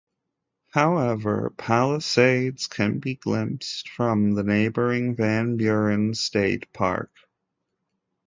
However, Palisades can be glimpsed from the neighboring Van Buren State Park.